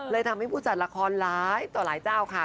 ทำให้ผู้จัดละครหลายต่อหลายเจ้าค่ะ